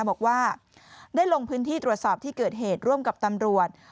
บอกว่าได้ลงพื้นที่ตรวจสอบที่เกิดเหตุร่วมกับตำรวจ